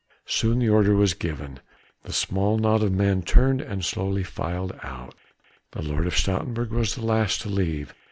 Soon the order was given. The small knot of men turned and slowly filed out. The Lord of Stoutenburg was the last to leave.